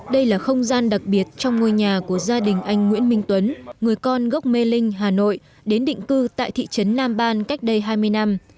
đây là không gian đặc biệt trong ngôi nhà của gia đình anh nguyễn minh tuấn người con gốc mê linh hà nội đến định cư tại thị trấn nam ban cách đây hai mươi năm